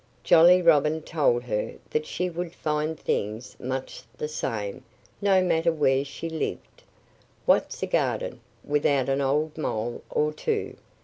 Jolly Robin told her that she would find things much the same, no matter where she lived. "What's a garden, without an old mole or two?"